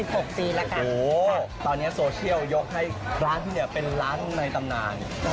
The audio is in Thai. โหตอนนี้โซเชียลยกให้ร้านของพี่เป็นร้านว่างในตำนาน